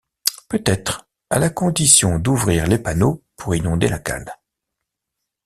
Peut-être, à la condition d’ouvrir les panneaux pour inonder la cale...